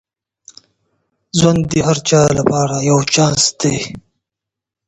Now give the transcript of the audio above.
ژوند د هر چا لپاره یو چانس دی.